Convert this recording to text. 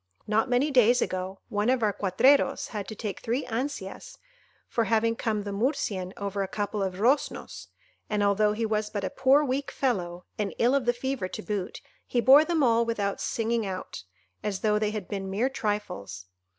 Not many days ago, one of our cuatreros had to take three ansias for having come the Murcian over a couple of roznos, and although he was but a poor weak fellow, and ill of the fever to boot, he bore them all without singing out, as though they had been mere trifles.